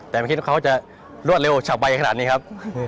แต่ไม่คิดว่าเขาจะรวดเร็วฉับใบขนาดนี้ครับ